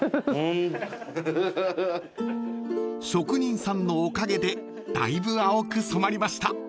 ［職人さんのおかげでだいぶ青く染まりました］